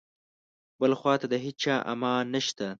بل خواته د هیچا امان نشته.